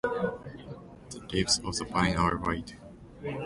The leaves of the vine are wide.